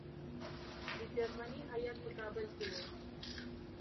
د جرمني هیات په کابل کې وو.